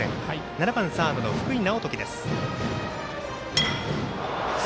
７番サードの福井直睦です。